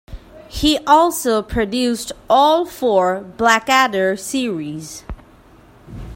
He also produced all four "Blackadder" series.